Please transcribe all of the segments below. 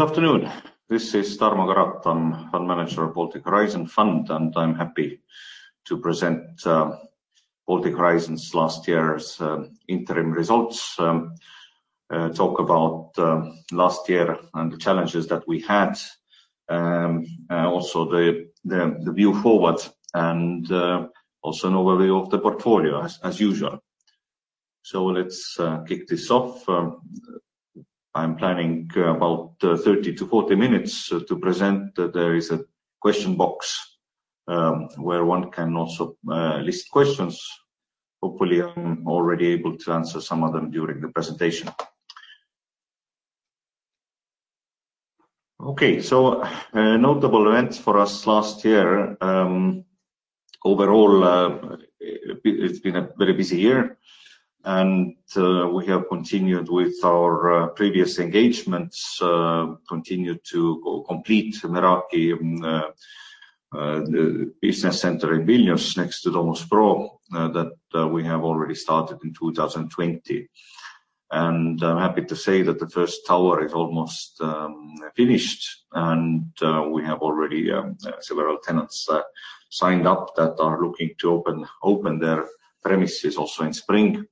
Afternoon. This is Tarmo Karotam, Fund Manager of Baltic Horizon Fund, and I'm happy to present Baltic Horizon's last year's interim results, talk about last year and the challenges that we had, also the view forward and also an overview of the portfolio as usual. Let's kick this off. I'm planning about 30-40 minutes to present. There is a question box where one can also list questions. Hopefully, I'm already able to answer some of them during the presentation. Okay. A notable event for us last year. Overall, it's been a very busy year, and we have continued with our previous engagements, continued to complete Meraki, the business center in Vilnius next to Domus Pro, that we have already started in 2020. I'm happy to say that the first tower is almost finished, and we have already several tenants signed up that are looking to open their premises also in spring.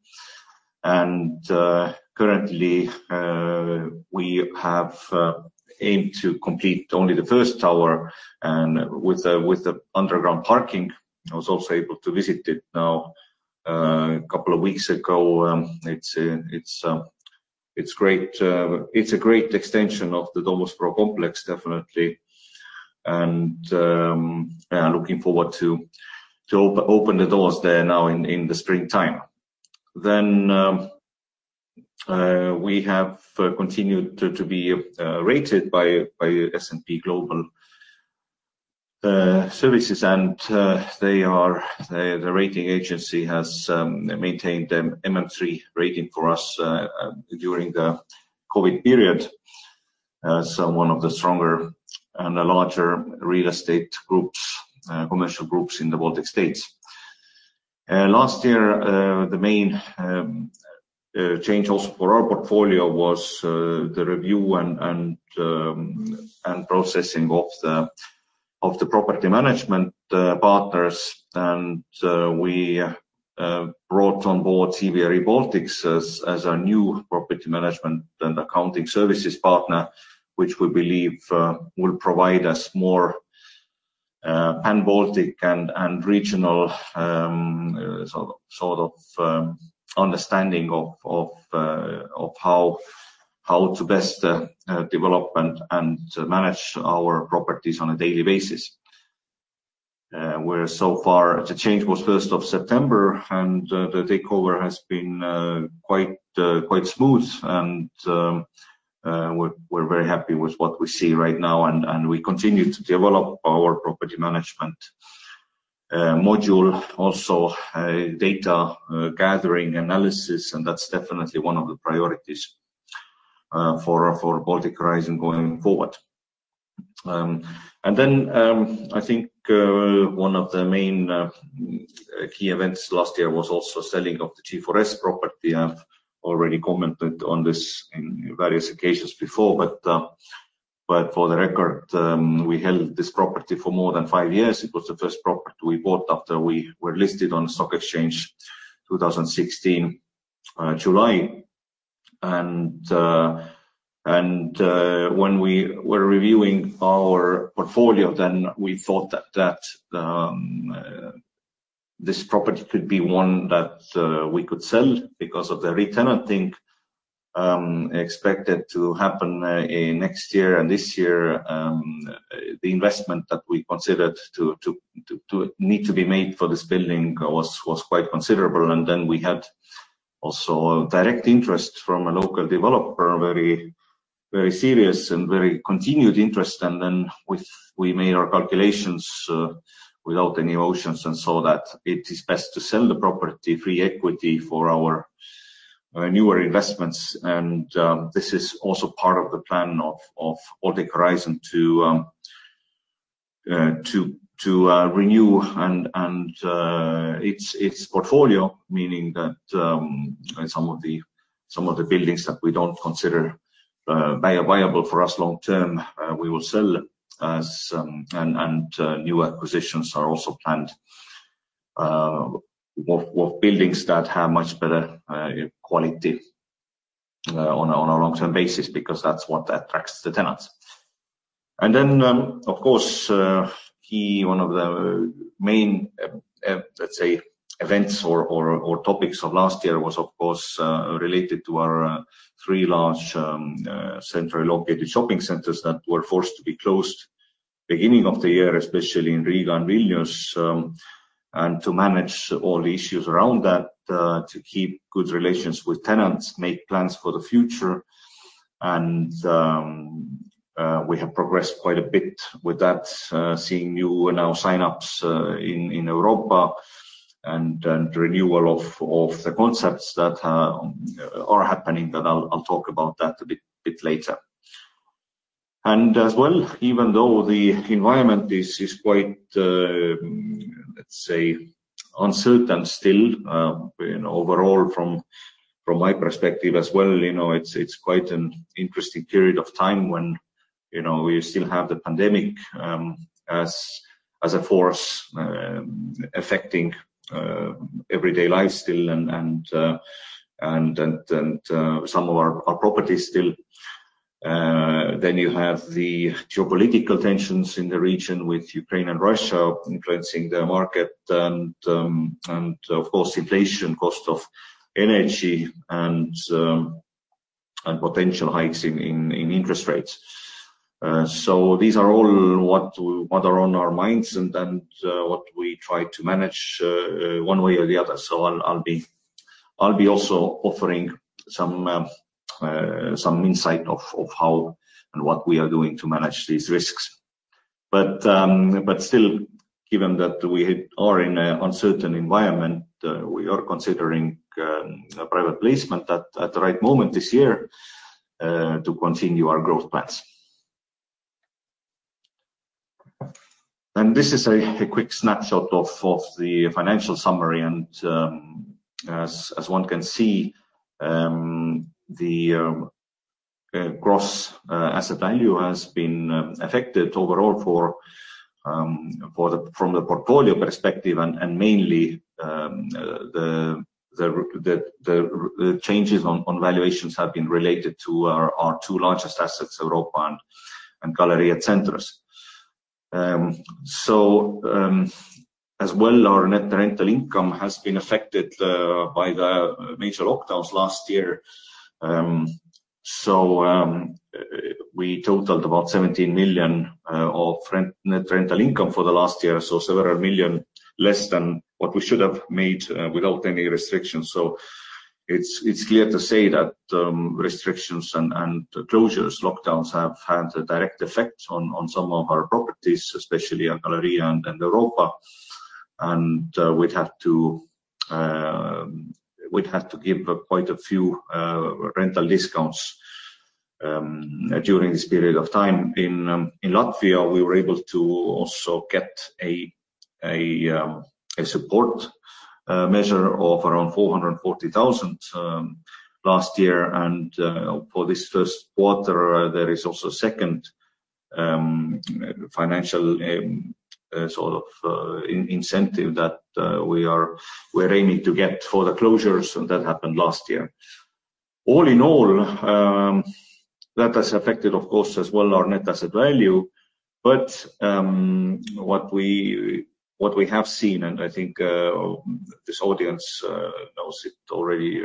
Currently, we have aimed to complete only the first tower and with the underground parking. I was also able to visit it now a couple of weeks ago. It's great. It's a great extension of the Domus Pro complex, definitely. Looking forward to open the doors there now in the springtime. We have continued to be rated by S&P Global Ratings. The rating agency has maintained a MM3 rating for us during the COVID period. One of the stronger and the larger real estate groups commercial groups in the Baltic States. Last year the main change also for our portfolio was the review and processing of the property management partners. We brought on board CBRE Baltics as our new property management and accounting services partner, which we believe will provide us more pan-Baltic and regional sort of understanding of how to best develop and manage our properties on a daily basis. We're so far. The change was first of September, and the takeover has been quite smooth. We're very happy with what we see right now, and we continue to develop our property management module, also data gathering analysis. That's definitely one of the priorities for Baltic Horizon going forward. I think one of the main key events last year was also selling of the G4S property. I've already commented on this in various occasions before. For the record, we held this property for more than five years. It was the first property we bought after we were listed on stock exchange 2016 July. When we were reviewing our portfolio then, we thought that this property could be one that we could sell because of the retenanting expected to happen in next year and this year. The investment that we considered to need to be made for this building was quite considerable. Then we had also a direct interest from a local developer, very serious and very continued interest. Then with... We made our calculations without any options and saw that it is best to sell the property, free up equity for our newer investments. This is also part of the plan of Baltic Horizon to renew its portfolio. Meaning that some of the buildings that we don't consider viable for us long term we will sell. New acquisitions are also planned of buildings that have much better quality on a long-term basis because that's what attracts the tenants. Then, of course, key... One of the main, let's say events or topics of last year was of course related to our three large centrally located shopping centers that were forced to be closed beginning of the year, especially in Riga and Vilnius. To manage all the issues around that, to keep good relations with tenants, make plans for the future. We have progressed quite a bit with that, seeing new lease sign-ups in Europa and renewal of the concepts that are happening, but I'll talk about that a bit later. As well, even though the environment is quite—let's say—uncertain still, you know, overall from my perspective as well, you know, it's quite an interesting period of time when, you know, we still have the pandemic as a force affecting everyday life still and some of our properties still. Then you have the geopolitical tensions in the region with Ukraine and Russia influencing the market and of course inflation, cost of energy and potential hikes in interest rates. So these are all what are on our minds and what we try to manage one way or the other. I'll be also offering some insight of how and what we are doing to manage these risks. Still given that we are in an uncertain environment, we are considering a private placement at the right moment this year to continue our growth plans. This is a quick snapshot of the financial summary. As one can see, the gross asset value has been affected overall from the portfolio perspective and mainly the changes on valuations have been related to our two largest assets, Europa and Galerija Centrs. As well our net rental income has been affected by the major lockdowns last year. We totaled about 17 million of net rental income for the last year, several million less than what we should have made without any restrictions. It's clear to say that restrictions and closures, lockdowns have had a direct effect on some of our properties, especially on Galerija Centrs and Europa. We'd had to give quite a few rental discounts during this period of time. In Latvia, we were able to also get a support measure of around 440,000 last year. For this first quarter, there is also second financial sort of incentive that we're aiming to get for the closures that happened last year. All in all, that has affected, of course, as well our net asset value. What we have seen, and I think, this audience knows it already,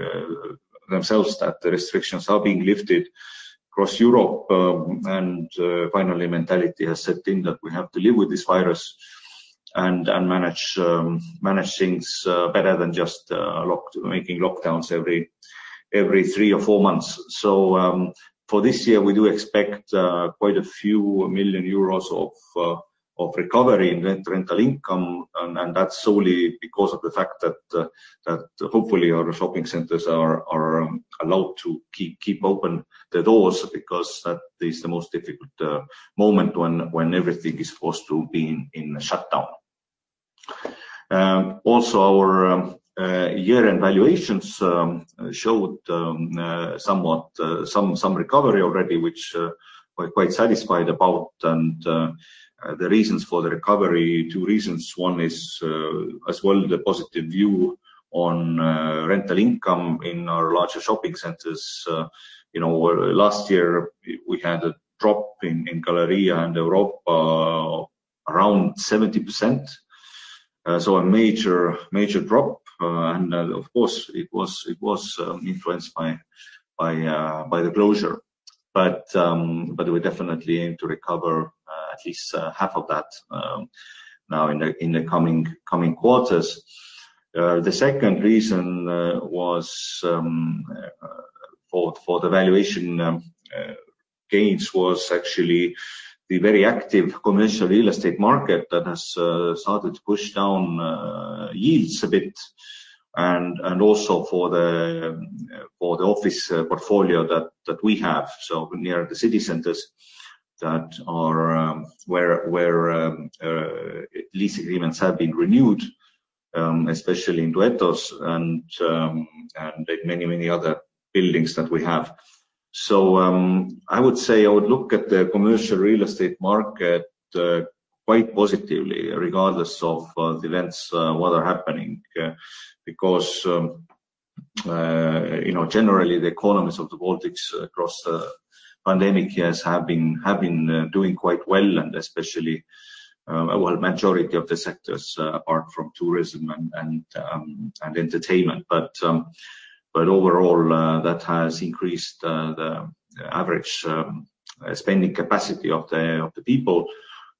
themselves, that the restrictions are being lifted across Europe. Finally mentality has set in that we have to live with this virus and manage things better than just making lockdowns every three or four months. For this year, we do expect quite a few million EUR of recovery in rental income. That's solely because of the fact that hopefully our shopping centers are allowed to keep open their doors because that is the most difficult moment when everything is forced to be in shutdown. Also our year-end valuations showed some recovery already, which we're quite satisfied about. The reasons for the recovery, two reasons. One is as well the positive view on rental income in our larger shopping centers. You know, where last year we had a drop in Galerija and Europa around 70%. So a major drop. Of course, it was influenced by the closure. We definitely aim to recover at least half of that now in the coming quarters. The second reason for the valuation gains was actually the very active commercial real estate market that has started to push down yields a bit. Also for the office portfolio that we have near the city centers that are where lease agreements have been renewed especially in Duetto and many other buildings that we have. I would say I would look at the commercial real estate market quite positively regardless of the events what are happening. Because you know generally the economies of the Baltics across the pandemic years have been doing quite well. And especially well majority of the sectors apart from tourism and entertainment. But overall that has increased the average spending capacity of the people.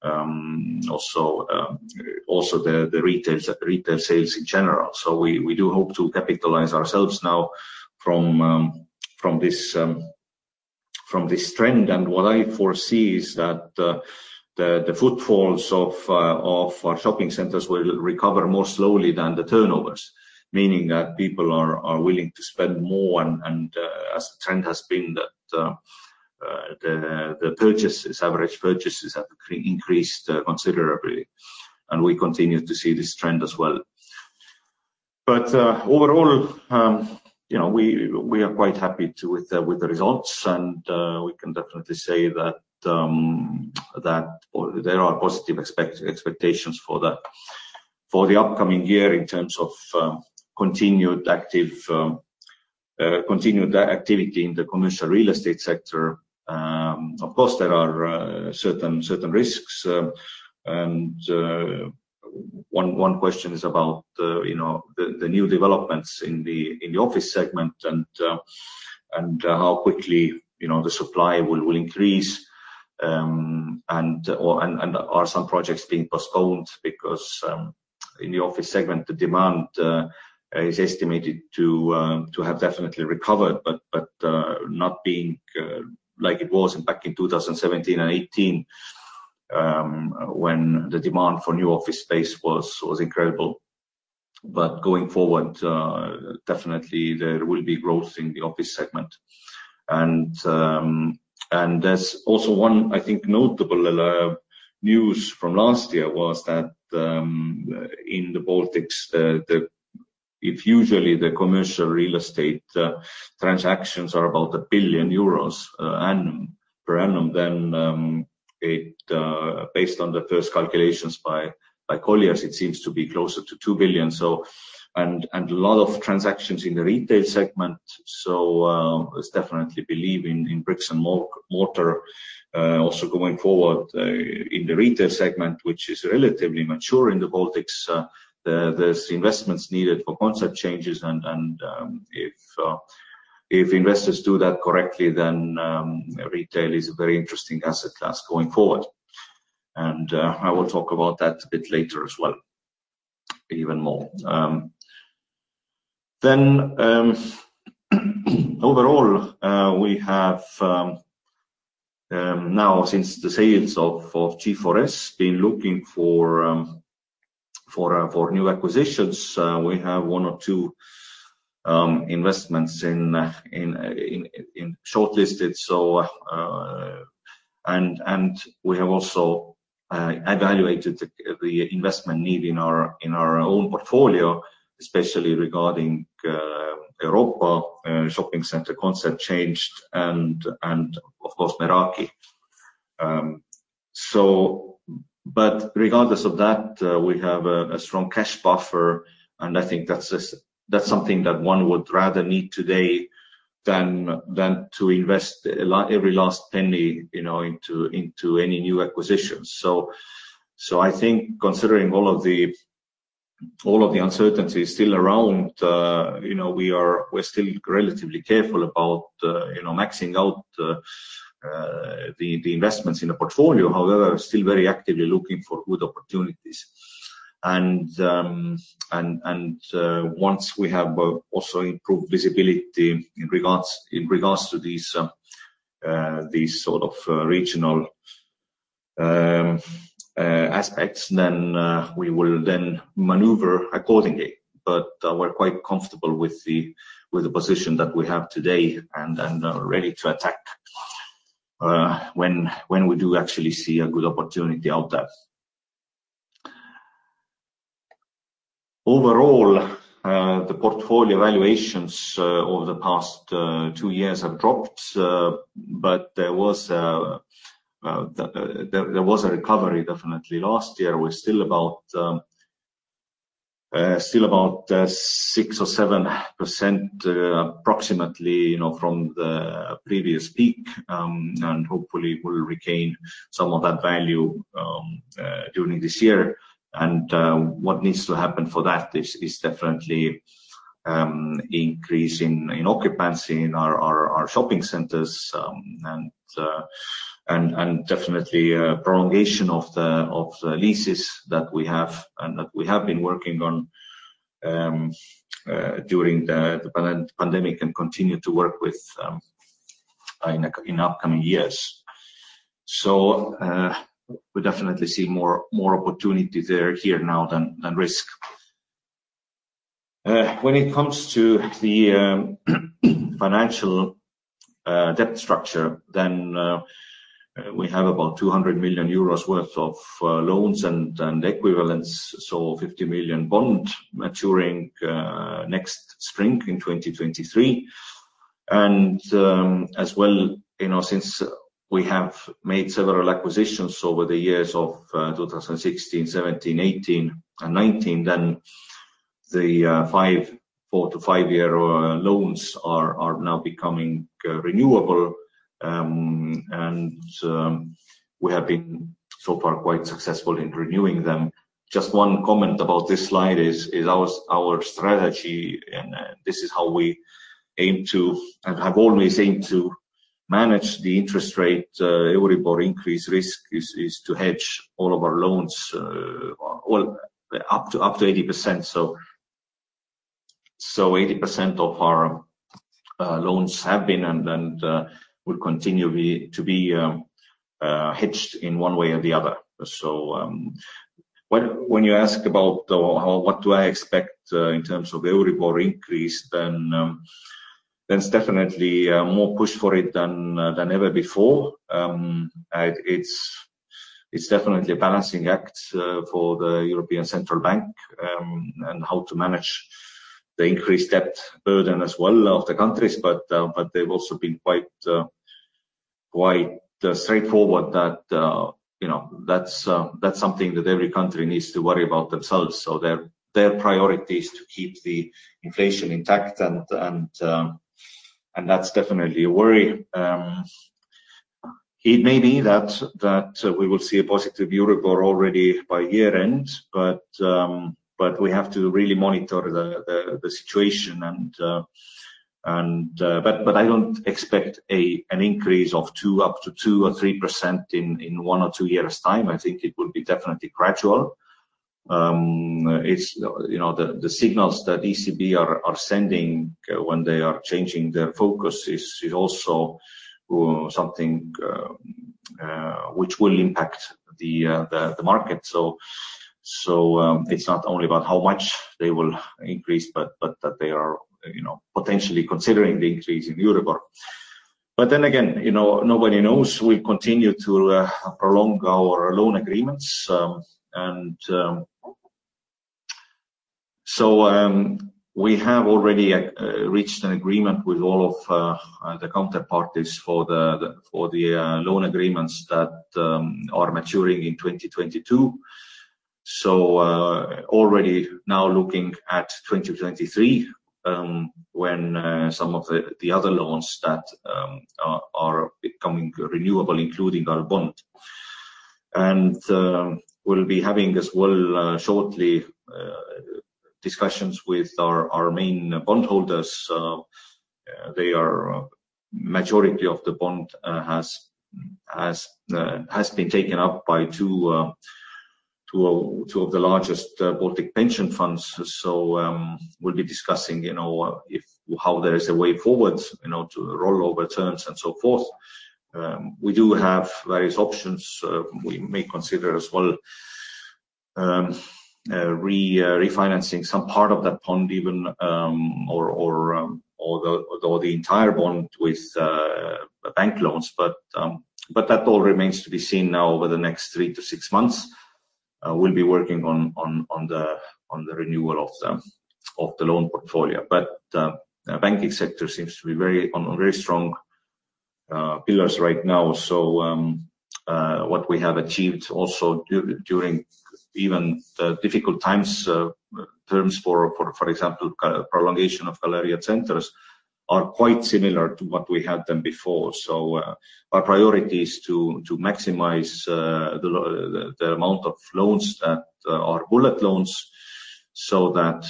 Also the retail sales in general. We do hope to capitalize ourselves now from this trend. What I foresee is that the footfalls of our shopping centers will recover more slowly than the turnovers. Meaning that people are willing to spend more and as the trend has been that the average purchases have increased considerably, and we continue to see this trend as well. Overall, you know, we are quite happy with the results and we can definitely say that there are positive expectations for the upcoming year in terms of continued activity in the commercial real estate sector. Of course, there are certain risks. One question is about, you know, the new developments in the office segment and how quickly, you know, the supply will increase. Are some projects being postponed because in the office segment the demand is estimated to have definitely recovered, but not being like it was back in 2017 and 2018, when the demand for new office space was incredible. Going forward, definitely there will be growth in the office segment. There's also one, I think, notable news from last year was that in the Baltics, the... If usually the commercial real estate transactions are about 1 billion euros per annum, then it based on the first calculations by Colliers, it seems to be closer to 2 billion. A lot of transactions in the retail segment. There's definitely belief in bricks and mortar. Also going forward in the retail segment, which is relatively mature in the Baltics, there's investments needed for concept changes and if investors do that correctly, then retail is a very interesting asset class going forward. I will talk about that a bit later as well, even more. Then overall we have now since the sales of G4S been looking for new acquisitions. We have one or two investments in shortlisted. We have also evaluated the investment need in our own portfolio, especially regarding Europa Shopping Center concept changed and of course Meraki. Regardless of that, we have a strong cash buffer, and I think that's just something that one would rather need today than to invest every last penny, you know, into any new acquisitions. I think considering all of the uncertainty still around, you know, we're still relatively careful about, you know, maxing out the investments in the portfolio. However, still very actively looking for good opportunities. Once we have also improved visibility in regards to these sort of regional aspects, then we will maneuver accordingly. We're quite comfortable with the position that we have today and are ready to attack when we do actually see a good opportunity out there. Overall, the portfolio valuations over the past two years have dropped, but there was a recovery definitely last year. We're still about 6%-7%, approximately, you know, from the previous peak and hopefully will regain some of that value during this year. What needs to happen for that is definitely increase in occupancy in our shopping centers and definitely prolongation of the leases that we have and that we have been working on during the pandemic and continue to work with in upcoming years. We definitely see more opportunity here now than risk. When it comes to the financial debt structure, then we have about 200 million euros worth of loans and equivalents. 50 million bond maturing next spring in 2023. As well, you know, since we have made several acquisitions over the years of 2016, 2017, 2018 and 2019, then the 4- to 5-year loans are now becoming renewable. We have been so far quite successful in renewing them. Just one comment about this slide is our strategy, and this is how we aim to, and have always aimed to manage the interest rate Euribor increase risk, is to hedge all of our loans, well, up to 80%. Eighty percent of our loans have been and will continue to be hedged in one way or the other. When you ask about what I expect in terms of Euribor increase, then it's definitely more push for it than ever before. It's definitely a balancing act for the European Central Bank and how to manage the increased debt burden as well of the countries. They've also been quite straightforward that you know that's something that every country needs to worry about themselves. Their priority is to keep the inflation intact, and that's definitely a worry. It may be that we will see a positive Euribor already by year-end, but we have to really monitor the situation. I don't expect an increase of up to 2 or 3% in 1 or 2 years' time. I think it will be definitely gradual. It's you know, the signals that ECB are sending when they are changing their focus is also something which will impact the market. It's not only about how much they will increase, but that they are you know, potentially considering the increase in Euribor. Then again, you know, nobody knows. We continue to prolong our loan agreements. And we have already reached an agreement with all of the counterparties for the loan agreements that are maturing in 2022. We're already now looking at 2023, when some of the other loans that are becoming renewable, including our bond. We'll be having as well shortly discussions with our main bondholders. The majority of the bond has been taken up by 2 of the largest Baltic pension funds. We'll be discussing you know how there is a way forward you know to rollover terms and so forth. We do have various options. We may consider as well refinancing some part of that bond even or the entire bond with bank loans. That all remains to be seen now over the next 3-6 months. We'll be working on the renewal of the loan portfolio. The banking sector seems to be on very strong pillars right now. What we have achieved also during even the difficult times, terms for example, prolongation of Galerija Centrs, are quite similar to what we had done before. Our priority is to maximize the amount of loans that are bullet loans so that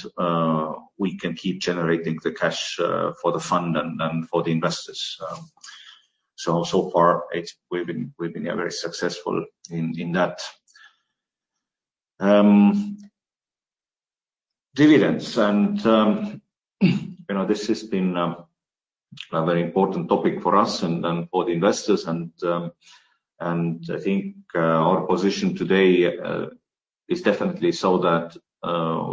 we can keep generating the cash for the fund and for the investors. So far, we've been very successful in that. Dividends. You know, this has been a very important topic for us and for the investors. I think our position today is definitely so that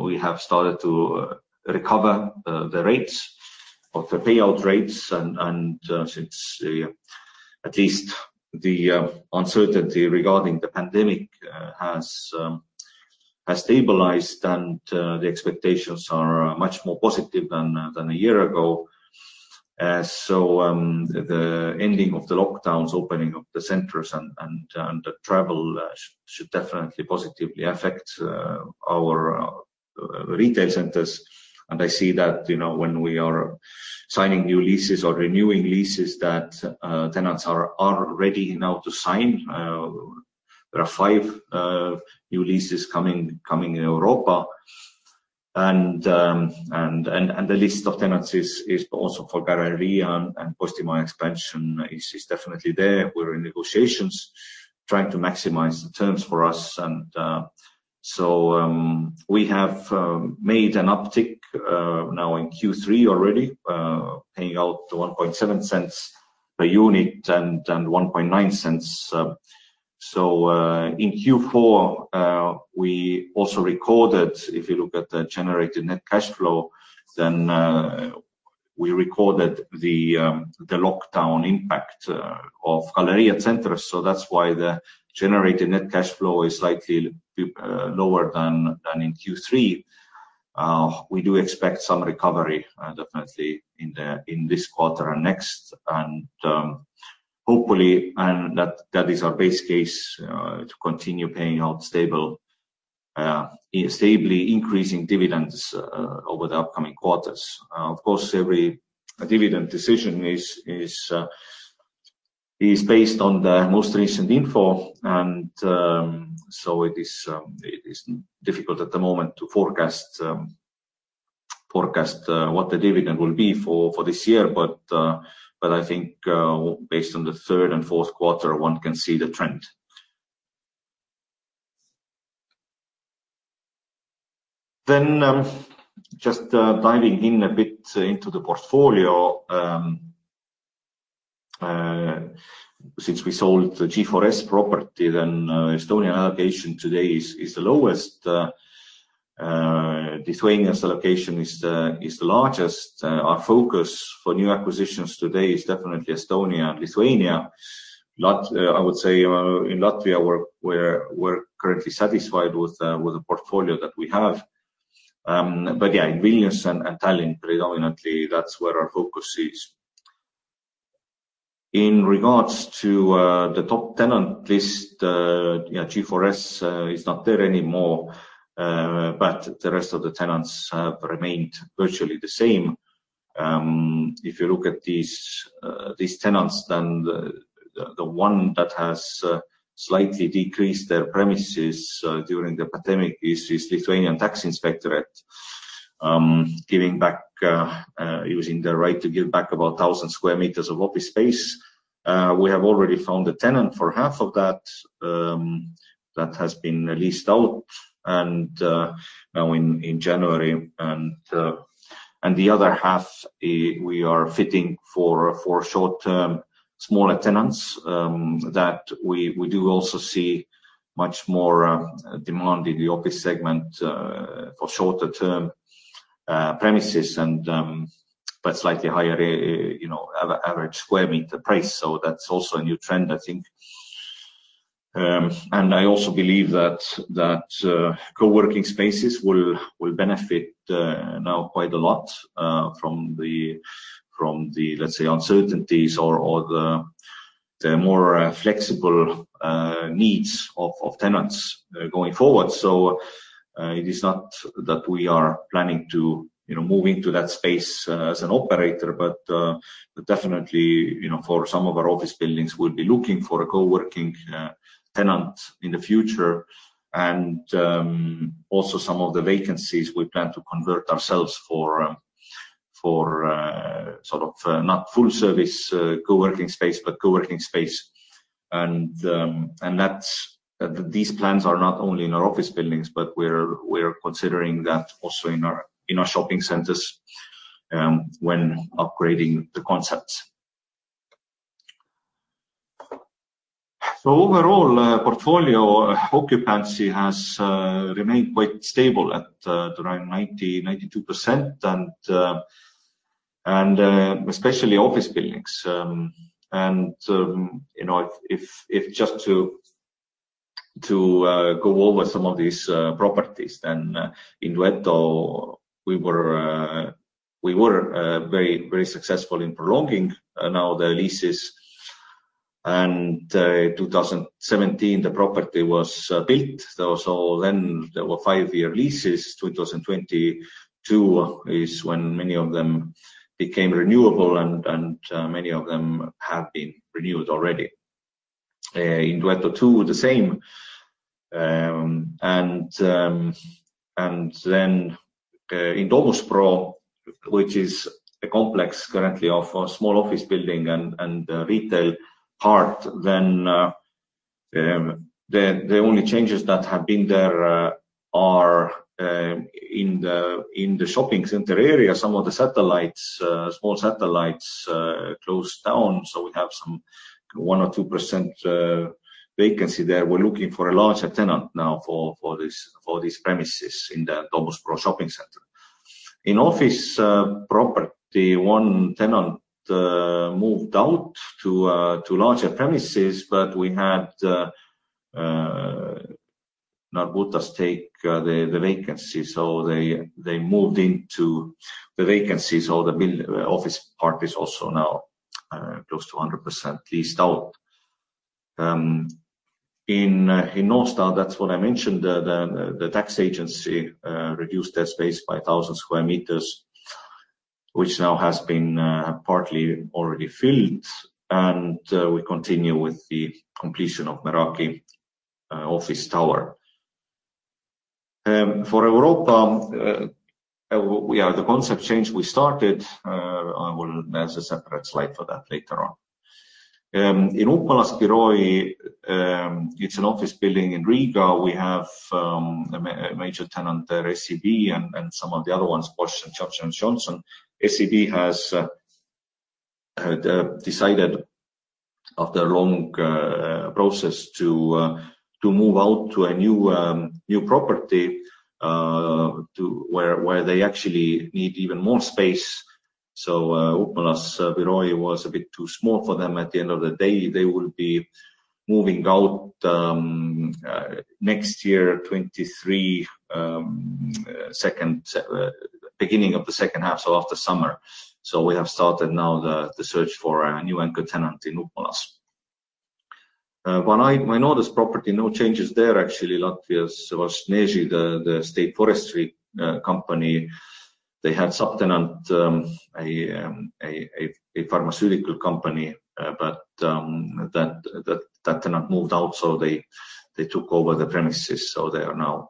we have started to recover the rates of the payout rates. Since at least the uncertainty regarding the pandemic has stabilized, and the expectations are much more positive than a year ago. The ending of the lockdowns, opening of the centers and the travel should definitely positively affect our retail centers. I see that, you know, when we are signing new leases or renewing leases that tenants are ready now to sign. There are 5 new leases coming in Europa. The list of tenants is also for Galerija and Postimaja expansion is definitely there. We're in negotiations trying to maximize the terms for us. We have made an uptick now in Q3 already paying out 0.017 per unit and 0.019. In Q4 we also recorded, if you look at the generated net cash flow, then we recorded the lockdown impact of Galerija Centrs. That's why the generated net cash flow is slightly lower than in Q3. We do expect some recovery definitely in this quarter and next. Hopefully, that is our base case to continue paying out stable stably increasing dividends over the upcoming quarters. Of course, every dividend decision is based on the most recent info. It is difficult at the moment to forecast what the dividend will be for this year. I think based on the third and fourth quarter, one can see the trend. Just diving in a bit into the portfolio, since we sold the G4S property, Estonian allocation today is the lowest. Lithuania's allocation is the largest. Our focus for new acquisitions today is definitely Estonia and Lithuania. I would say in Latvia, we're currently satisfied with the portfolio that we have. But yeah, in Vilnius and Tallinn predominantly, that's where our focus is. In regards to the top tenant list, G4S is not there anymore, but the rest of the tenants have remained virtually the same. If you look at these tenants, then the one that has slightly decreased their premises during the pandemic is Lithuanian State Tax Inspectorate, giving back using their right to give back about 1,000 sq m of office space. We have already found a tenant for half of that that has been leased out and now in January. The other half we are fitting for short-term smaller tenants that we do also see much more demand in the office segment for shorter term premises and but slightly higher, you know, average square meter price. That's also a new trend, I think. I also believe that co-working spaces will benefit now quite a lot from the let's say uncertainties or the more flexible needs of tenants going forward. It is not that we are planning to you know move into that space as an operator. Definitely you know for some of our office buildings we'll be looking for a co-working tenant in the future. Also some of the vacancies we plan to convert ourselves for sort of not full service co-working space but co-working space. These plans are not only in our office buildings but we're considering that also in our shopping centers when upgrading the concepts. Overall, portfolio occupancy has remained quite stable at around 92%, especially office buildings. You know, if just to go over some of these properties, then in Duetto we were very successful in prolonging now the leases. In 2017, the property was built. Then there were five-year leases. 2022 is when many of them became renewable, and many of them have been renewed already. In Duetto II, the same. Then in Domus Pro, which is a complex currently of a small office building and a retail part, the only changes that have been there are in the shopping center area. Some of the satellites, small satellites, closed down. We have some 1 or 2% vacancy there. We're looking for a larger tenant now for these premises in the Domus Pro shopping center. In office property, one tenant moved out to larger premises, but we had Narbutas take the vacancy. They moved into the vacancy. The office part is also now close to 100% leased out. In North Star, that's what I mentioned. The tax agency reduced their space by 1,000 sq m, which now has been partly already filled. We continue with the completion of Meraki office tower. For Europa, the concept change we started, I will. There's a separate slide for that later on. In Upmalas Biroji, it's an office building in Riga. We have a major tenant there, SEB, and some of the other ones, Bosch and Johnson & Johnson. SEB has decided after a long process to move out to a new property to where they actually need even more space. Upmalas Biroji was a bit too small for them at the end of the day. They will be moving out next year, 2023, beginning of the second half, so after summer. We have started now the search for a new anchor tenant in Upmalas. Vainodes property, no changes there actually. Latvijas valsts meži, the state forestry company, they had a subtenant, a pharmaceutical company, but that tenant moved out, so they took over the premises, so they are now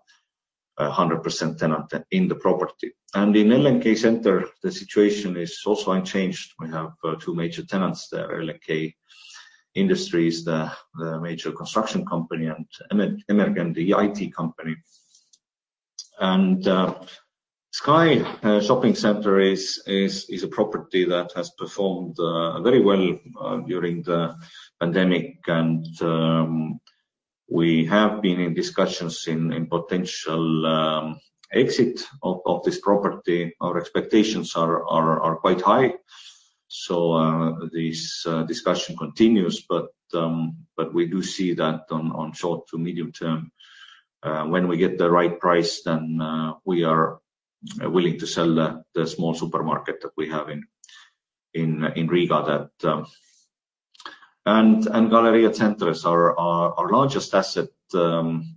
100% tenant in the property. In LNK Centre, the situation is also unchanged. We have two major tenants there, LNK Industries, the major construction company and Emergn, the IT company. Sky Shopping Center is a property that has performed very well during the pandemic. We have been in discussions on potential exit of this property. Our expectations are quite high. This discussion continues, but we do see that on short to medium term, when we get the right price, then we are willing to sell the small supermarket that we have in Riga. Galerija Centrs is our largest asset in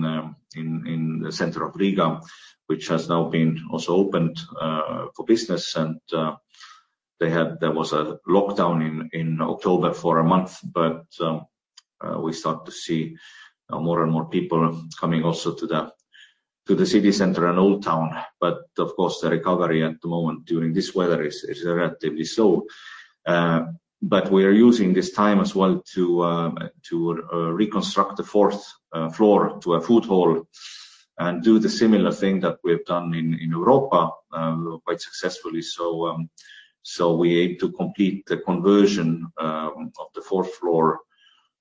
the center of Riga, which has now been also opened for business. There was a lockdown in October for a month. We start to see more and more people coming also to the city center and old town. Of course, the recovery at the moment during this weather is relatively slow. We are using this time as well to reconstruct the fourth floor to a food hall and do the similar thing that we have done in Europa quite successfully. We aim to complete the conversion of the fourth floor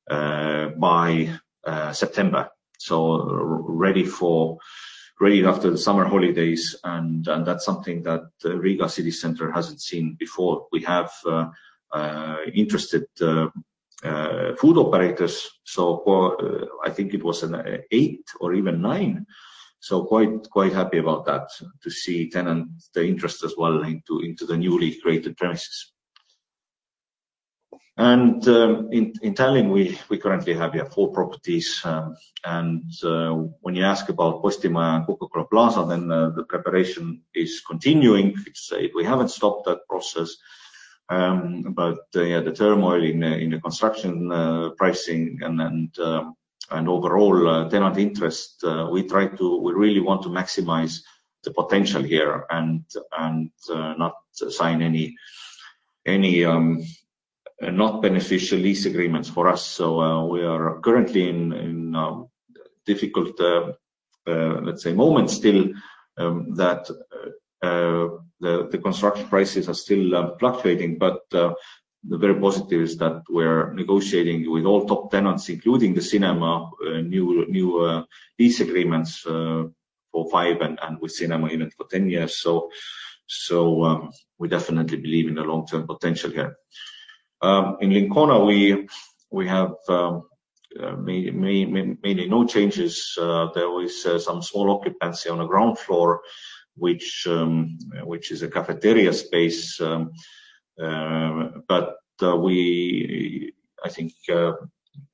by September, ready after the summer holidays. That's something that Riga City Center hasn't seen before. We have interested food operators. I think it was eight or even nine. We are quite happy about that, to see the interest as well into the newly created premises. In Tallinn, we currently have four properties. When you ask about Üstmaa and Coca-Cola Plaza, the preparation is continuing. We haven't stopped that process. the turmoil in the construction pricing and overall tenant interest, we really want to maximize the potential here and not sign any not beneficial lease agreements for us. We are currently in difficult, let's say, moment still, that the construction prices are still fluctuating. The very positive is that we're negotiating with all top tenants, including the cinema, new lease agreements for 5 and with cinema even for 10 years. We definitely believe in the long-term potential here. In Lincona, we have mainly no changes. There was some small occupancy on the ground floor, which is a cafeteria space. I think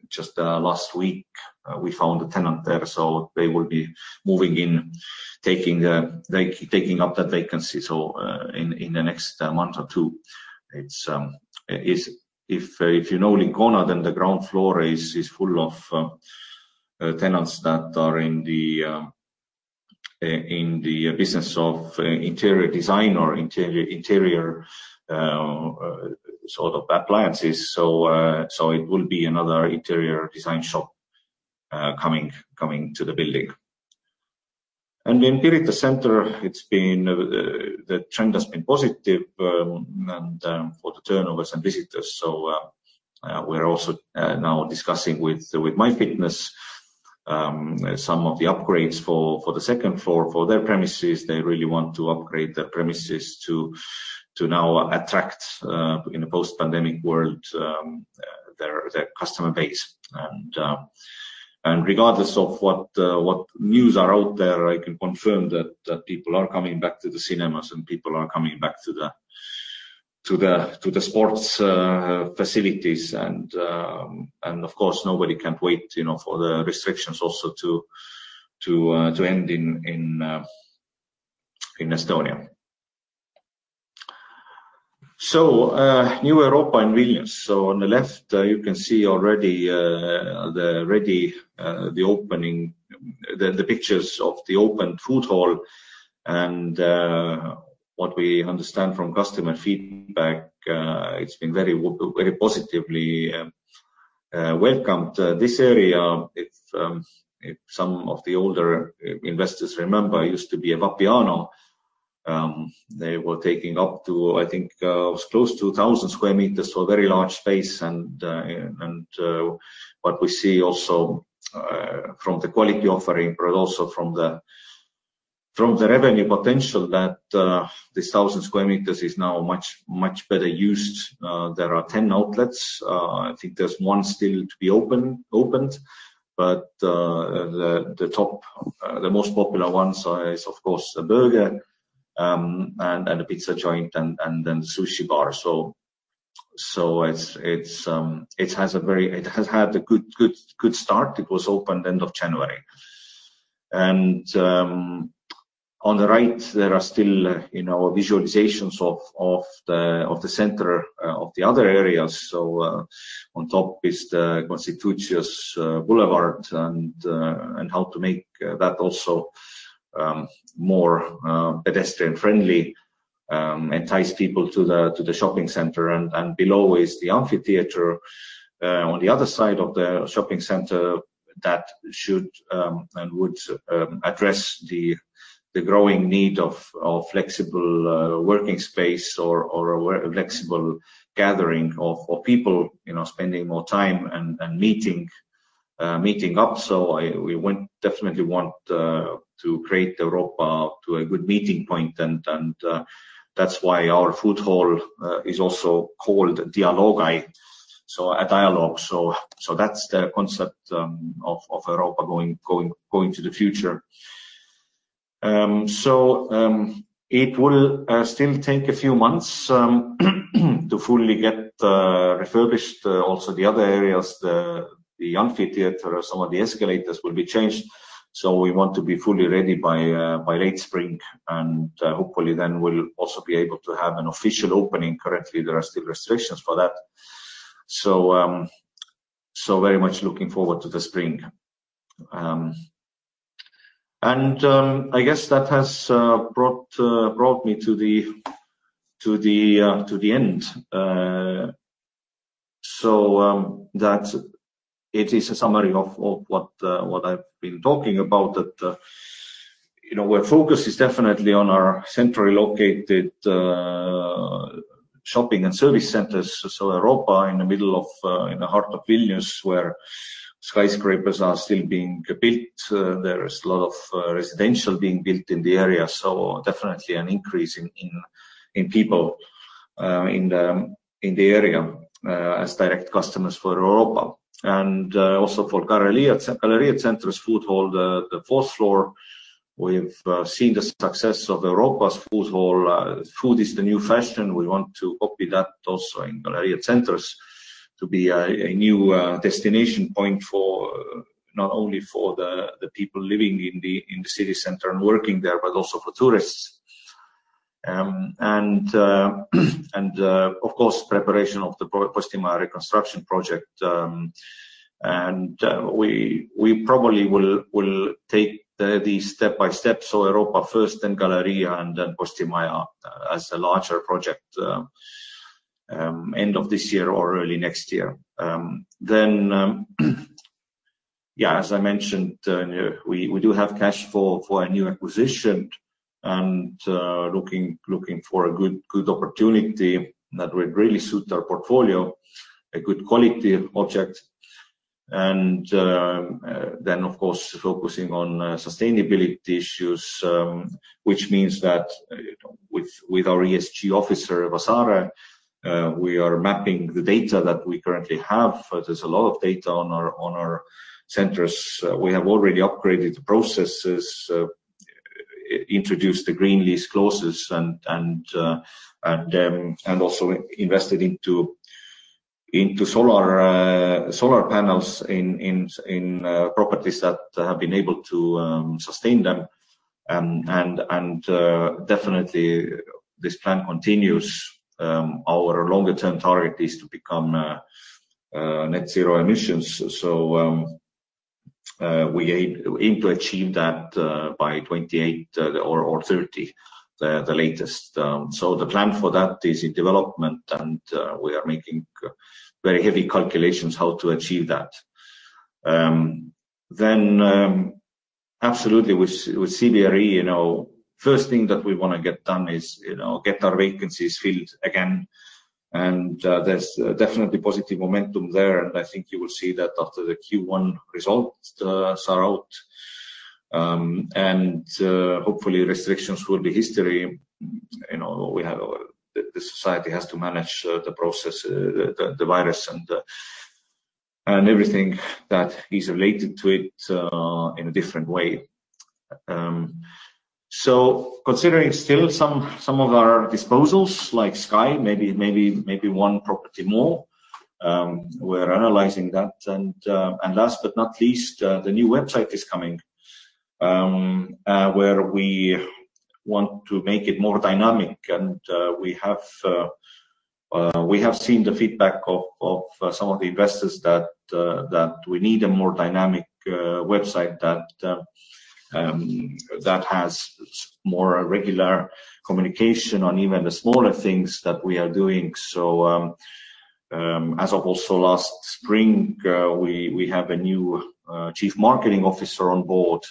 just last week we found a tenant there. They will be moving in, taking up that vacancy in the next month or two. If you know Lincona, then the ground floor is full of tenants that are in the business of interior design or interior sort of appliances. It will be another interior design shop coming to the building. In Pirita Center, the trend has been positive for the turnovers and visitors. We're also now discussing with MyFitness some of the upgrades for the second floor for their premises. They really want to upgrade their premises to now attract, in a post-pandemic world, their customer base. Regardless of what news are out there, I can confirm that people are coming back to the cinemas and people are coming back to the sports facilities. Of course, nobody can wait, you know, for the restrictions also to end in Estonia. New Europa in Vilnius. On the left, you can see already the pictures of the open food hall. What we understand from customer feedback, it's been very positively welcomed. This area, if some of the older investors remember, used to be a Vapiano. They were taking up to, I think, it was close to 1,000 sq m, a very large space. What we see also from the quality offering, but also from the revenue potential that this 1,000 sq m is now much better used. There are 10 outlets. I think there's 1 still to be opened. The most popular one is of course a burger and a pizza joint and then sushi bar. It has had a good start. It was opened end of January. On the right, there are still, you know, visualizations of the center, of the other areas. On top is the Konstitucijos Boulevard and how to make that also more pedestrian-friendly, entice people to the shopping center, and below is the amphitheater on the other side of the shopping center that should and would address the growing need of flexible working space or a flexible gathering of people, you know, spending more time and meeting up. We definitely want to create Europa as a good meeting point. That's why our food hall is also called Dialogai, so a dialogue. That's the concept of Europa going to the future. It will still take a few months to fully get refurbished. Also the other areas, the amphitheater, some of the escalators will be changed. We want to be fully ready by late spring, and hopefully then we'll also be able to have an official opening. Currently, there are still restrictions for that. Very much looking forward to the spring. I guess that has brought me to the end. That's a summary of what I've been talking about. You know, our focus is definitely on our centrally located shopping and service centers. Europa in the heart of Vilnius, where skyscrapers are still being built. There is a lot of residential being built in the area, so definitely an increase in people in the area as direct customers for Europa. Also for Galerija Centrs's food hall, the fourth floor. We've seen the success of Europa's food hall. Food is the new fashion. We want to copy that also in Galerija Centrs to be a new destination point for not only the people living in the city center and working there, but also for tourists. Of course, preparation of the Postimaja reconstruction project. We probably will take the step-by-step, so Europa first, then Galerija Centrs, and then Postimaja as a larger project end of this year or early next year. Yeah, as I mentioned, we do have cash for a new acquisition and looking for a good opportunity that would really suit our portfolio, a good quality object. Of course, focusing on sustainability issues, which means that, you know, with our ESG officer, Vasarė, we are mapping the data that we currently have. There's a lot of data on our centers. We have already upgraded the processes, introduced the green lease clauses and also invested into solar panels in properties that have been able to sustain them. Definitely this plan continues. Our longer-term target is to become net zero emissions. We aim to achieve that by 2028 or 2030, the latest. The plan for that is in development, and we are making very heavy calculations how to achieve that. Absolutely with CBRE, you know, first thing that we wanna get done is, you know, get our vacancies filled again. There's definitely positive momentum there. I think you will see that after the Q1 results are out. Hopefully restrictions will be history. You know, the society has to manage the process, the virus and everything that is related to it in a different way. Considering still some of our disposals like Sky, maybe one property more, we're analyzing that. Last but not least, the new website is coming, where we want to make it more dynamic. We have seen the feedback of some of the investors that we need a more dynamic website that has more regular communication on even the smaller things that we are doing. As of also last spring, we have a new chief marketing officer on board,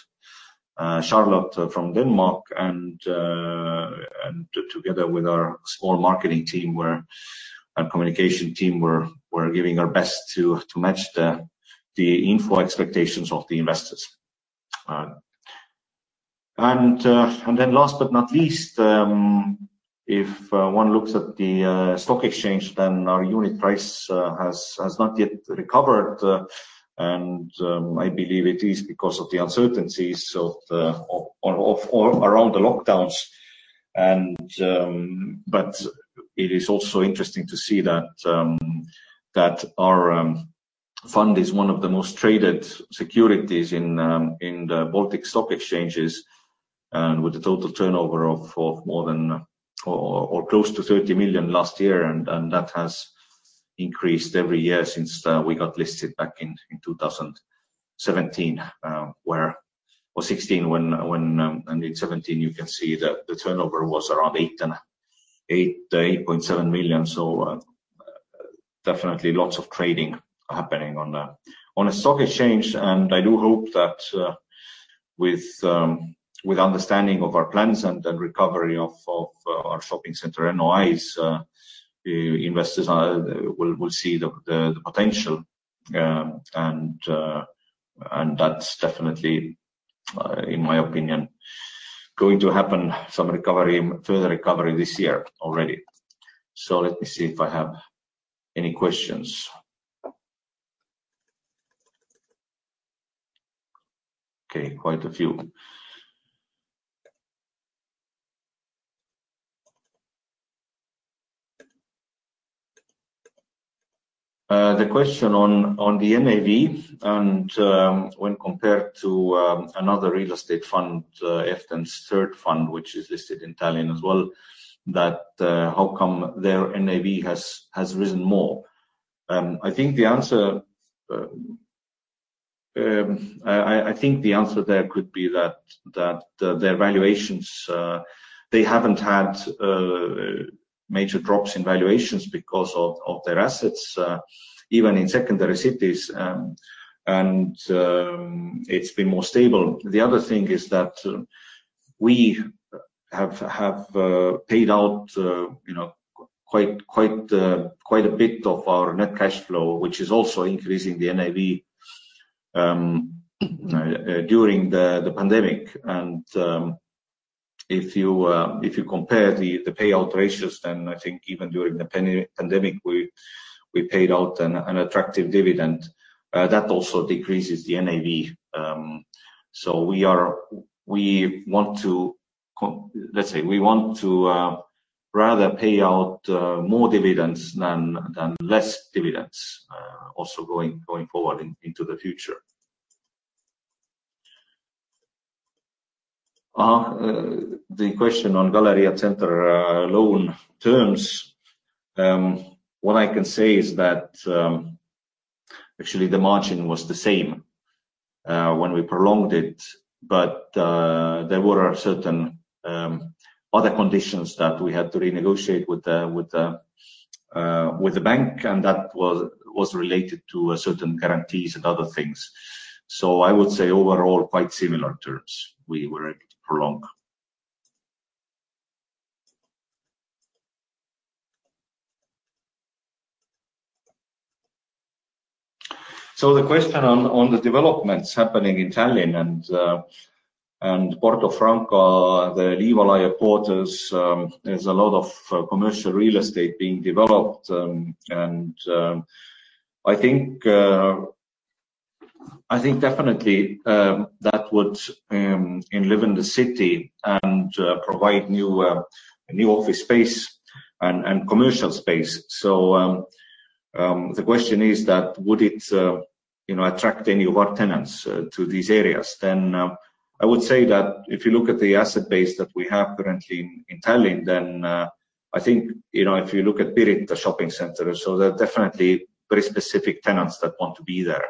Charlotte from Denmark, and together with our small marketing team and communication team, we're giving our best to match the info expectations of the investors. Last but not least, if one looks at the stock exchange, then our unit price has not yet recovered. I believe it is because of the uncertainties around the lockdowns. It is also interesting to see that our fund is one of the most traded securities in the Baltic stock exchanges, and with a total turnover of close to 30 million last year. That has increased every year since we got listed back in 2017. In 2016 and in 2017 you can see that the turnover was around 8.8 million-8.7 million. Definitely lots of trading happening on a stock exchange. I do hope that with understanding of our plans and the recovery of our shopping center NOIs, the investors will see the potential. That's definitely, in my opinion, going to happen, further recovery this year already. Let me see if I have any questions. Okay, quite a few. The question on the NAV and when compared to another real estate fund, EfTEN's third fund, which is listed in Tallinn as well, how come their NAV has risen more? I think the answer there could be that their valuations they haven't had major drops in valuations because of their assets, even in secondary cities, and it's been more stable. The other thing is that we have paid out, you know, quite a bit of our net cash flow, which is also increasing the NAV during the pandemic. If you compare the payout ratios, then I think even during the pandemic, we paid out an attractive dividend. That also decreases the NAV. So we want to rather pay out more dividends than less dividends, also going forward into the future. The question on Galerija Centrs loan terms, what I can say is that actually the margin was the same when we prolonged it. there were certain other conditions that we had to renegotiate with the bank, and that was related to certain guarantees and other things. I would say overall quite similar terms we were able to prolong. the question on the developments happening in Tallinn and Porto Franco, the Liivalaia Quarter, there's a lot of commercial real estate being developed. I think definitely that would enliven the city and provide new office space and commercial space. the question is that would it you know attract any of our tenants to these areas? I would say that if you look at the asset base that we have currently in Tallinn, I think, you know, if you look at Pirita Shopping Center, so they're definitely very specific tenants that want to be there.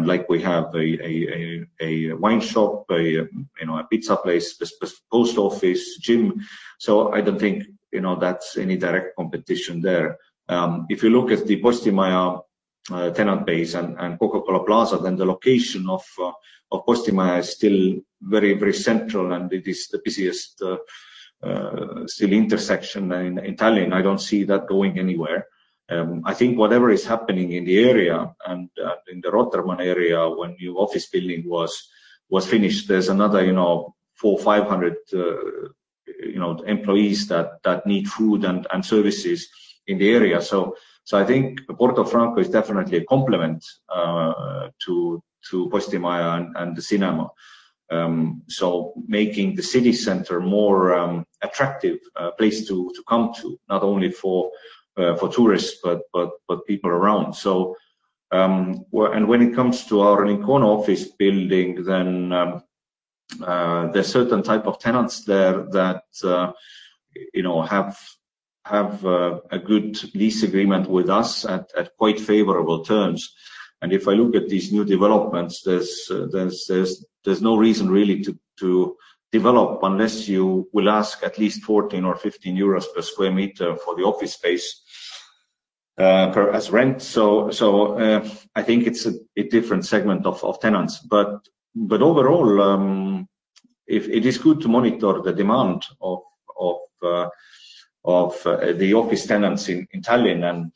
Like we have a wine shop, you know, a pizza place, post office, gym. I don't think, you know, that's any direct competition there. If you look at the Postimaja tenant base and Coca-Cola Plaza, the location of Postimaja is still very central, and it is still the busiest intersection in Tallinn. I don't see that going anywhere. I think whatever is happening in the area and in the Rotermann area when new office building was finished, there's another, you know, 400 or 500, you know, employees that need food and services in the area. I think Porto Franco is definitely a complement to Postimaja and the cinema. Making the city center more attractive place to come to, not only for tourists, but people around. When it comes to our Lincona office building, then there are certain type of tenants there that, you know, have a good lease agreement with us at quite favorable terms. If I look at these new developments, there's no reason really to develop unless you will ask at least 14 or 15 euros per sq m for the office space as rent. I think it's a different segment of tenants. Overall, it is good to monitor the demand of the office tenants in Tallinn.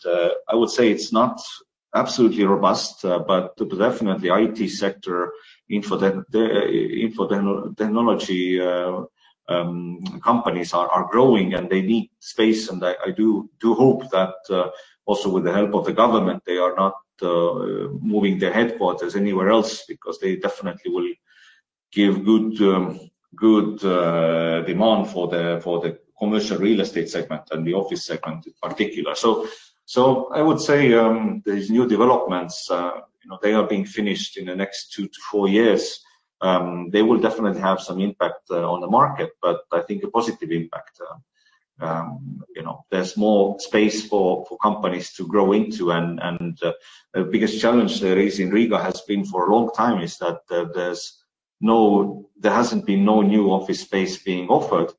I would say it's not absolutely robust, but definitely IT sector, information technology companies are growing and they need space. I do hope that also with the help of the government, they are not moving their headquarters anywhere else because they definitely will give good demand for the commercial real estate segment and the office segment in particular. I would say these new developments, you know, they are being finished in the next two to four years. They will definitely have some impact on the market, but I think a positive impact, you know, there's more space for companies to grow into. The biggest challenge there is in Riga has been for a long time is that there hasn't been no new office space being offered.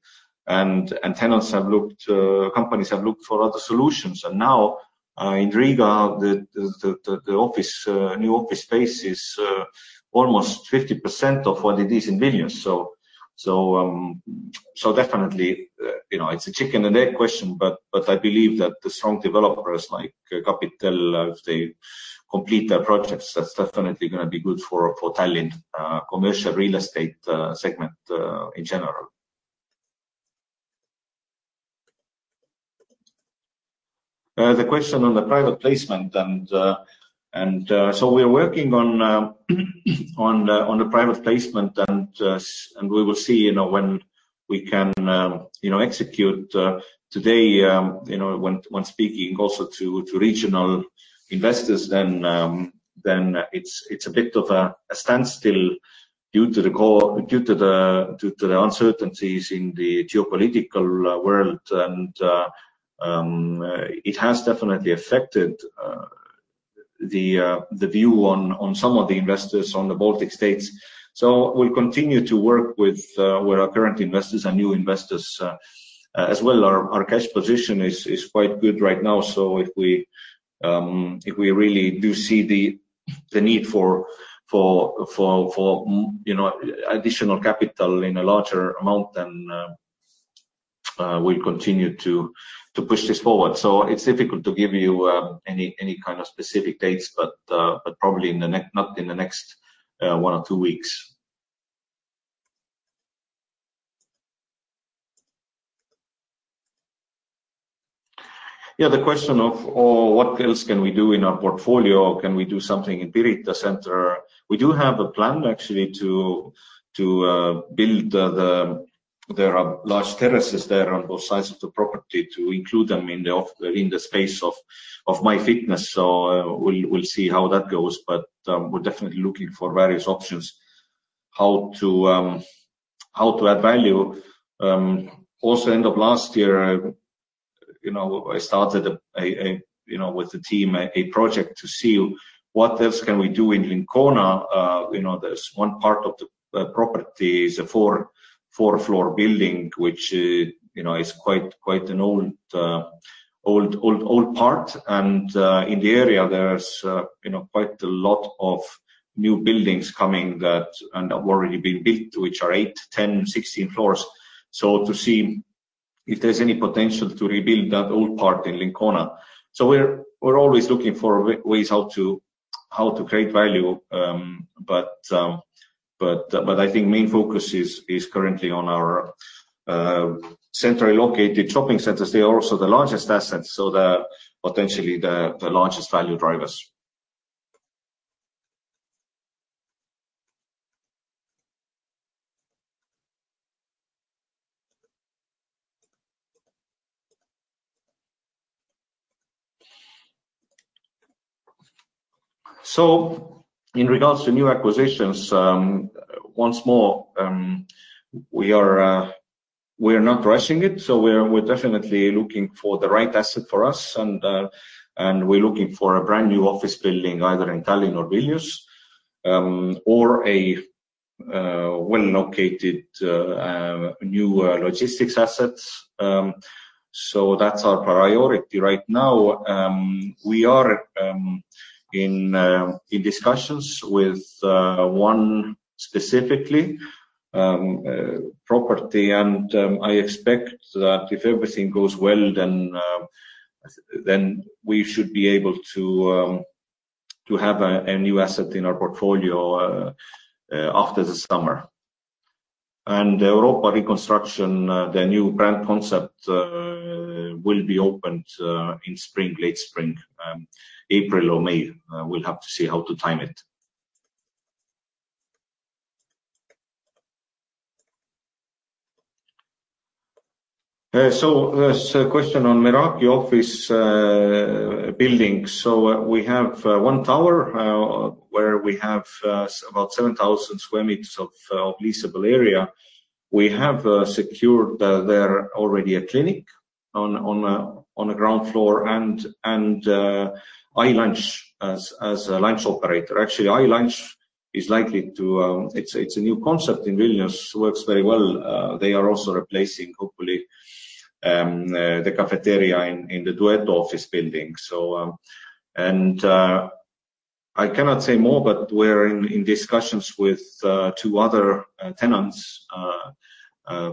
Tenants have looked, companies have looked for other solutions. Now, in Riga, the new office space is almost 50% of what it is in Vilnius. So definitely, you know, it's a chicken and egg question, but I believe that the strong developers like Kapitel, if they complete their projects, that's definitely gonna be good for Tallinn commercial real estate segment in general. The question on the private placement and we're working on the private placement and we will see, you know, when we can execute. Today, you know, when speaking also to regional investors then it's a bit of a standstill due to the uncertainties in the geopolitical world. It has definitely affected the view on some of the investors on the Baltic states. We'll continue to work with our current investors and new investors as well. Our cash position is quite good right now, so if we really do see the need for you know, additional capital in a larger amount then we'll continue to push this forward. It's difficult to give you any kind of specific dates, but probably not in the next one or two weeks. Yeah, the question of what else can we do in our portfolio? Can we do something in Pirita Center? We do have a plan actually to build the... There are large terraces there on both sides of the property to include them in the space of MyFitness. We'll see how that goes. We're definitely looking for various options how to add value. Also end of last year, you know, I started with the team a project to see what else can we do in Lincona. You know, there's one part of the property is a four-floor building, which, you know, is quite an old part. In the area, there's, you know, quite a lot of new buildings coming that and have already been built, which are 8, 10, 16 floors. To see if there's any potential to rebuild that old part in Lincona. We're always looking for ways how to create value. I think main focus is currently on our centrally located shopping centers. They are also the largest assets, so they're potentially the largest value drivers. In regards to new acquisitions, once more, we are not rushing it. We're definitely looking for the right asset for us, and we're looking for a brand-new office building either in Tallinn or Vilnius, or a well-located new logistics asset. That's our priority right now. We are in discussions with one specific property. I expect that if everything goes well then we should be able to have a new asset in our portfolio after the summer. Europa reconstruction, the new brand concept, will be opened in spring, late spring, April or May. We'll have to see how to time it. There's a question on Meraki office building. We have one tower where we have about 7,000 sq m of leasable area. We have secured there already a clinic on a ground floor and iLunch as a lunch operator. Actually, iLunch is likely to. It's a new concept in Vilnius. It works very well. They are also replacing hopefully the cafeteria in the Duetto office building. I cannot say more, but we're in discussions with two other tenants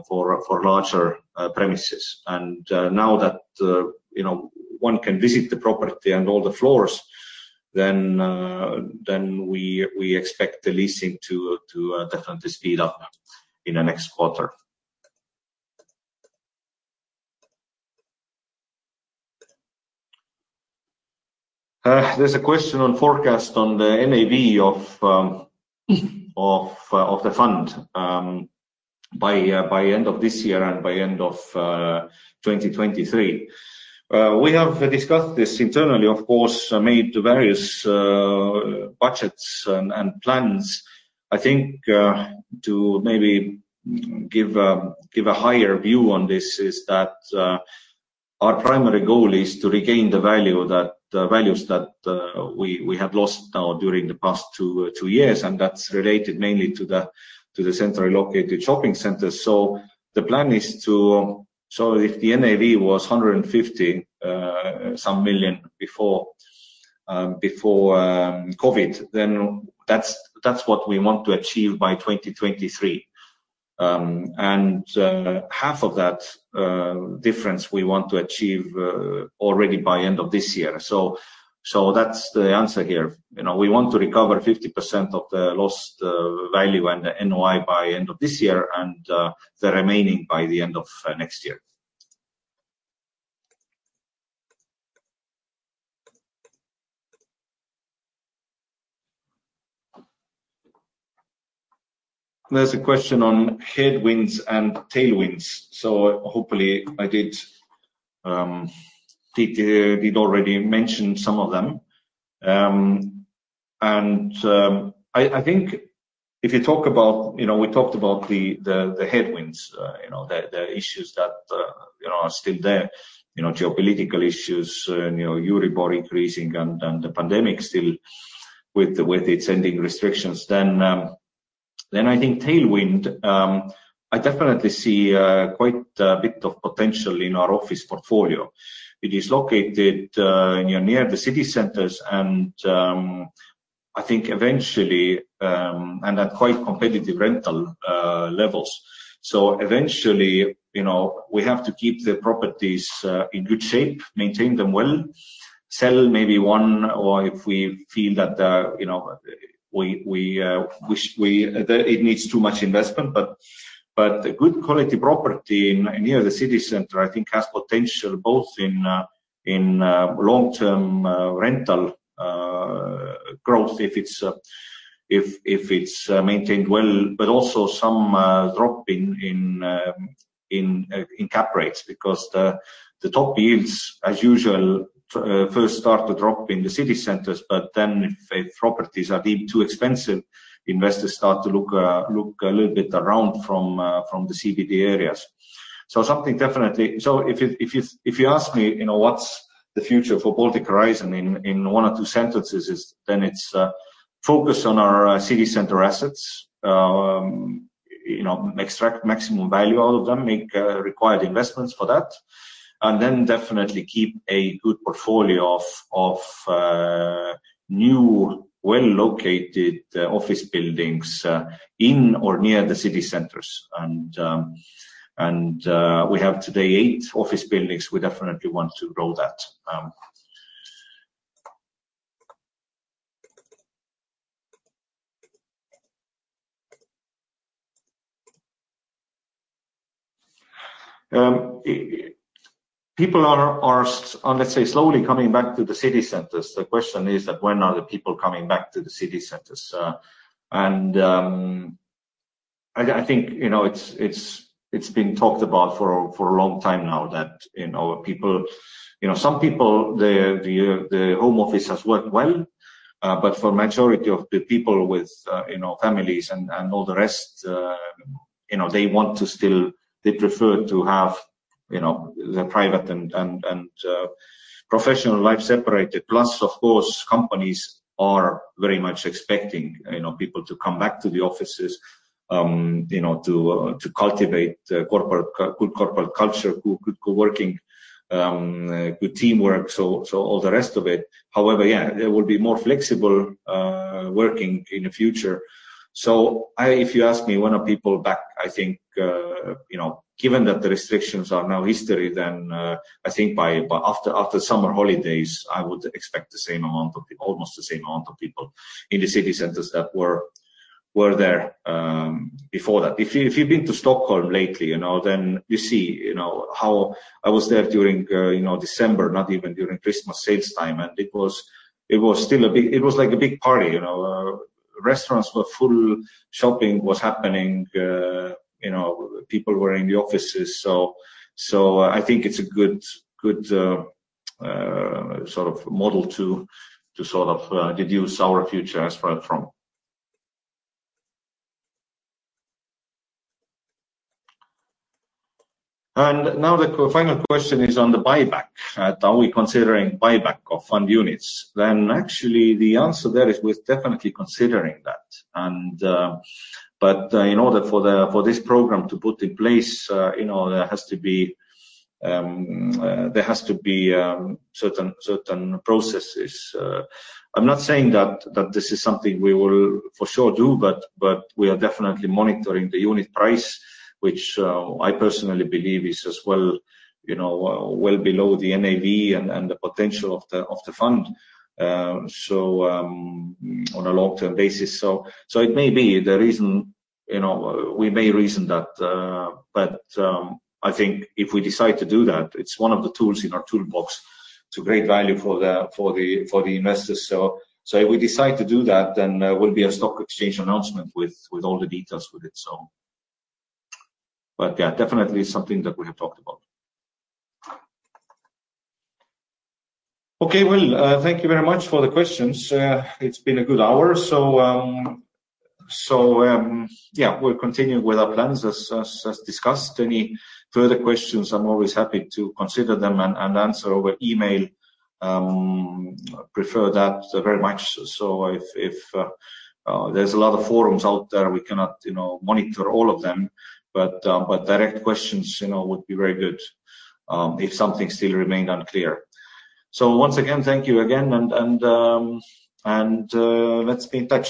for larger premises. Now that, you know, one can visit the property and all the floors, then we expect the leasing to definitely speed up in the next quarter. There's a question on the forecast on the NAV of the fund by end of this year and by end of 2023. We have discussed this internally, of course, made various budgets and plans. I think to maybe give a higher view on this is that our primary goal is to regain the values that we have lost now during the past two years. That's related mainly to the centrally located shopping centers. If the NAV was 150 some million before COVID, then that's what we want to achieve by 2023. Half of that difference we want to achieve already by end of this year. That's the answer here. You know, we want to recover 50% of the lost value and the NOI by end of this year, and the remaining by the end of next year. There's a question on headwinds and tailwinds. Hopefully I did already mention some of them. I think if you talk about, you know, we talked about the headwinds, you know. The issues that you know are still there. You know, geopolitical issues, you know, Euribor increasing and the pandemic still with its ending restrictions. I think tailwind I definitely see quite a bit of potential in our office portfolio. It is located near the city centers and I think eventually and at quite competitive rental levels. Eventually you know we have to keep the properties in good shape, maintain them well, sell maybe one or if we feel that you know it needs too much investment. A good quality property near the city center, I think, has potential both in long-term rental growth if it's maintained well, but also some drop in cap rates because the top yields, as usual, first start to drop in the city centers. If properties are deemed too expensive, investors start to look a little bit around from the CBD areas. If you ask me, you know, what's the future for Baltic Horizon in one or two sentences, then it's focus on our city center assets. You know, extract maximum value out of them, make required investments for that. Definitely keep a good portfolio of new, well-located office buildings in or near the city centers. We have today 8 office buildings. We definitely want to grow that. People are, let's say, slowly coming back to the city centers. The question is that when are the people coming back to the city centers? I think, you know, it's been talked about for a long time now that, you know, people, you know, some people, the home office has worked well. But for majority of the people with, you know, families and all the rest, you know, they want to still they prefer to have, you know, their private and professional life separated. Plus, of course, companies are very much expecting, you know, people to come back to the offices, you know, to cultivate good corporate culture, good co-working, good teamwork, so all the rest of it. However, yeah, there will be more flexible working in the future. If you ask me when are people back, I think, you know, given that the restrictions are now history, then I think by after summer holidays, I would expect almost the same amount of people in the city centers that were there before that. If you've been to Stockholm lately, you know, then you see, you know, how I was there during December, not even during Christmas sales time, and it was still a big. It was like a big party, you know. Restaurants were full, shopping was happening, you know, people were in the offices. I think it's a good sort of model to sort of deduce our future as well from. Now the final question is on the buyback. Are we considering buyback of fund units? Actually the answer there is we're definitely considering that. In order for this program to put in place, you know, there has to be certain processes. I'm not saying that this is something we will for sure do, but we are definitely monitoring the unit price, which I personally believe is as well, you know, well below the NAV and the potential of the fund, so on a long-term basis. It may be the reason, you know, we may reason that, but I think if we decide to do that, it's one of the tools in our toolbox. It's a great value for the investors. If we decide to do that, then there will be a stock exchange announcement with all the details with it. Yeah, definitely something that we have talked about. Okay. Well, thank you very much for the questions. It's been a good hour. Yeah, we'll continue with our plans as discussed. Any further questions, I'm always happy to consider them and answer over email. I prefer that very much. If there's a lot of forums out there, we cannot, you know, monitor all of them. Direct questions, you know, would be very good if something still remained unclear. Once again, thank you again, and let's be in touch.